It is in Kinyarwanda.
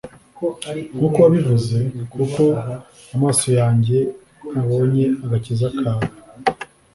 nkuko wabivuze : kuko amaso yanjye abonye agakiza kawe,